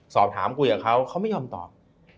สอบถามคุยกับเขาเขาไม่ยอมตอบ